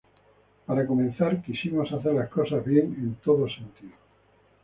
Para comenzar, quisimos hacer las cosas bien en todo sentido.